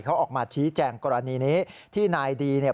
เขาออกมาชี้แจงกรณีนี้ที่นายดีเนี่ย